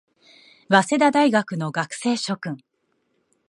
早稲田大学の学生諸君